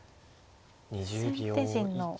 先手陣の。